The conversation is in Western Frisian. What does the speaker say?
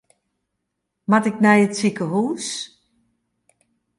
Moat ik nei it sikehús?